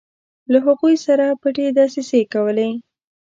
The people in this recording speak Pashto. له هغوی سره پټې دسیسې کولې.